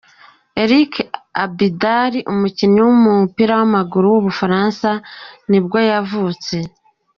Eric Abidal, umukinnyi w’umupira w’amaguru w’umufaransa ni bwo yavutse.